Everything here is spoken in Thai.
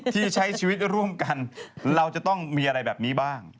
ที่ใช้ชีวิตร่วมกันเราจะต้องมีอะไรแบบนี้บ้าง